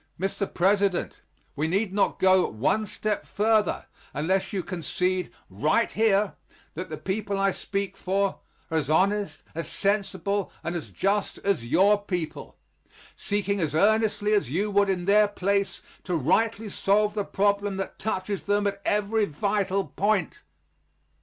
Mr. President, we need not go one step further unless you concede right here that the people I speak for are as honest, as sensible and as just as your people, seeking as earnestly as you would in their place to rightly solve the problem that touches them at every vital point.